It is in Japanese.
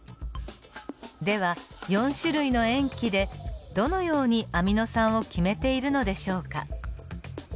では４種類の塩基でどのようにアミノ酸を決めているのでしょうか。